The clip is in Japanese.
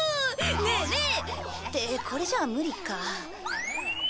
ねえねえ！ってこれじゃ無理か。